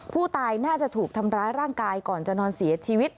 ผู้ตายน่าจะถูกทำร้ายร่างกายก่อนจะนอนเสียชีวิต